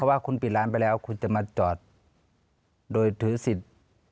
เพราะคุณปิดร้านไปแล้วมาจอดโดยถือสิทธิ์